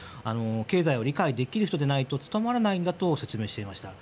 経済を理解できる人でないと務まらないんだと説明していました。